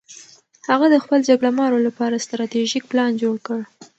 هغه د خپلو جګړه مارو لپاره ستراتیژیک پلان جوړ کړ.